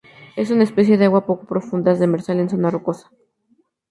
Es una especie de agua poco profundas, demersal en zona rocosa.